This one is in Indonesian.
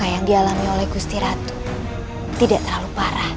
jangan cebaskan aku